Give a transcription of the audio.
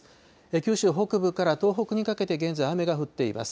九州北部から東北にかけて現在、雨が降っています。